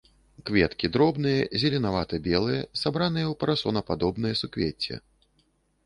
Кветкі дробныя, зеленавата-белыя, сабраныя ў парасонападобнае суквецце.